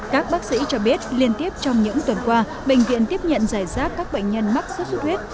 các bác sĩ cho biết liên tiếp trong những tuần qua bệnh viện tiếp nhận giải rác các bệnh nhân mắc sốt xuất huyết